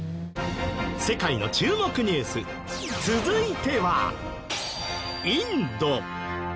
世界の注目ニュース続いてはインド。